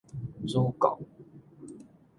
子貢